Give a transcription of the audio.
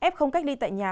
f không cách ly tại nhà